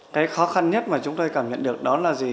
cái khó khăn nhất mà chúng tôi cảm nhận được đó là gì